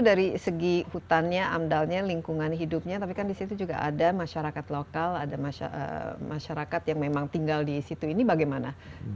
jadi segi hutannya amdalnya lingkungan hidupnya tapi kan disitu juga ada masyarakat lokal ada masyarakat yang memang tinggal disitu ini bagaimana